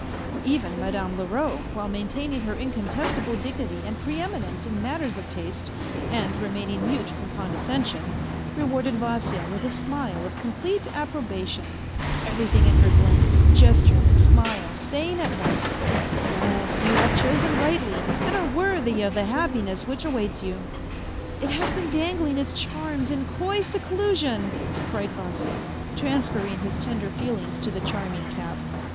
Even Madame Leroux, while maintaining her incontestable dignity and pre eminence in matters of taste, and remaining mute from condescension, rewarded Vasya with a smile of complete approbation, everytlung in her glance, gesture and smile saying at once :" Yes, you have chosen rightly, and are worthy of the happiness which awaits you." A FAINT HEART 167 " It has been dangling its charms in coy seclusion," cried Vasya, transferring his tender feelings to the charming cap.